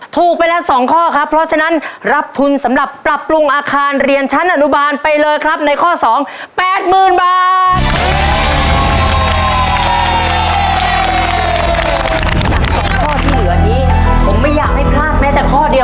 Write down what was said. ถูกไปแล้ว๒ข้อครับเพราะฉะนั้นรับทุนสำหรับปรับปรุงอาคารเรียนชั้นอนุบาลไปเลยครับในข้อ๒๘๐๐๐บาท